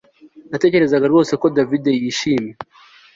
Natekerezaga rwose ko David yishimye